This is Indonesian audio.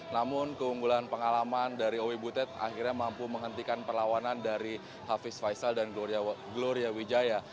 namun keunggulan pengalaman dari owi butet akhirnya mampu menghentikan perlawanan dari hafiz faisal dan gloria wijaya